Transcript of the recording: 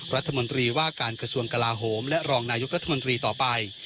รัฐมนตรีว่าการกระทรวงกลาโหมและรองนายกรัฐมนตรีต่อไป